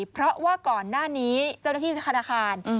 เพราะว่าก่อนหน้านี้เจ้าหน้าที่ธนาคาร